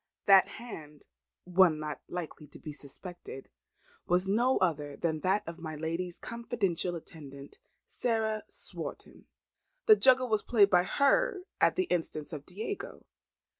That hand, one not likely to be suspected, was no other than that of my lady's confidential attendant, Sarah Swarton. The juggle was played by her at the instance of Diego.